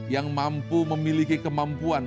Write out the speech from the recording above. yang mampu memiliki kemampuan